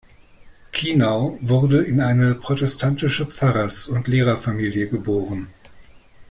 Kinau wurde in eine protestantische Pfarrers- und Lehrerfamilie geboren.